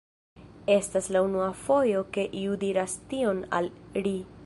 Estas la unua fojo ke iu diras tion al ri.